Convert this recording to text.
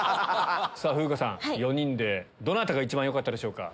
風花さん４人でどなたが一番よかったでしょうか？